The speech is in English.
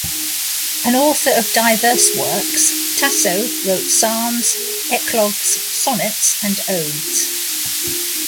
An author of diverse works, Tasso wrote psalms, eclogues, sonnets and odes.